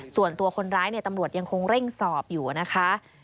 ส่วนตัวคนร้ายเนี่ยตำรวจยังคงเร่งสอบอยู่นะคะ